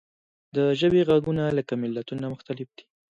د ژبې غږونه لکه ملتونه مختلف دي.